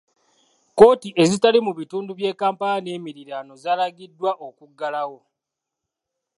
Kkooti ezitali mu bitundu by'e Kampala n'emiriraano zaalagiddwa okuggalawo.